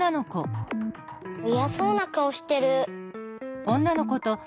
イヤそうなかおしてる。